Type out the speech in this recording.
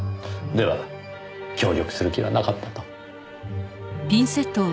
では協力する気はなかったと。